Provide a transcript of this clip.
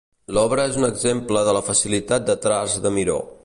L'obra és un exemple de la facilitat de traç de Miró.